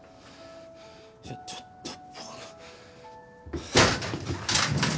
いやちょっと。